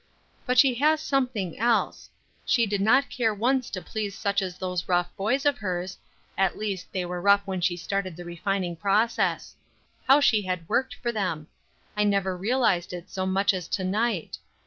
But she has something else; she did not care once to please such as these rough boys of hers, at least they were rough when she started the refining process; how she had worked for them; I never realized it so much as to night.